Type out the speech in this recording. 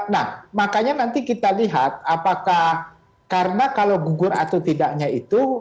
nah makanya nanti kita lihat apakah karena kalau gugur atau tidaknya itu